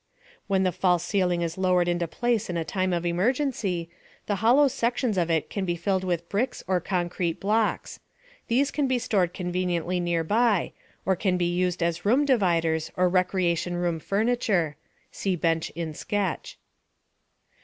When the false ceiling is lowered into place in a time of emergency, the hollow sections of it can be filled with bricks or concrete blocks. These can be stored conveniently nearby, or can be used as room dividers or recreation room furniture (see bench in sketch).